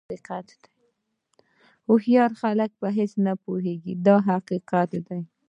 هوښیار خلک په هر څه نه پوهېږي دا حقیقت دی.